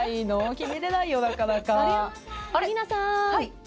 決められないよなかなか。